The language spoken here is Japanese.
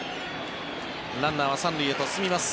ランナーは３塁へと進みます。